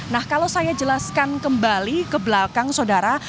nah kalau saya jelaskan kembali ke belakang saudara